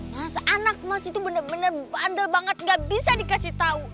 bukan mas anak mas itu bener bener bandel banget gak bisa dikasih tahu